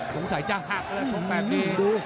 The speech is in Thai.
สงสัยจะหักแบบนี้